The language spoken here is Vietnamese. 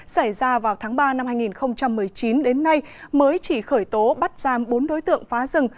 xảy ra vào tháng ba năm hai nghìn một mươi chín đến nay mới chỉ khởi tố bắt giam bốn đối tượng phá rừng